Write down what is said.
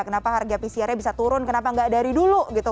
kenapa harga pcr nya bisa turun kenapa nggak dari dulu gitu